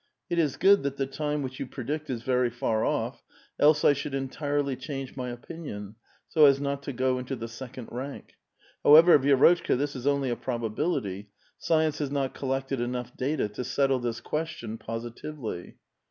It is good that the time which 3'ou pre dict is very far off, else 1 should entirely change my opinion, so as not to go into the second rank. However, Vi^rotchka, this is only a probability ; science has not collected enough data to settle this question positively."